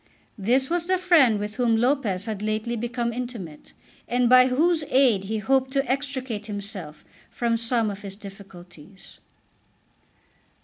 This was the friend with whom Lopez had lately become intimate, and by whose aid he hoped to extricate himself from some of his difficulties.